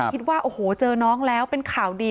คิดว่าโอ้โหเจอน้องแล้วเป็นข่าวดี